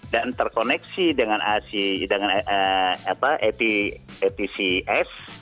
dan terkoneksi dengan apcs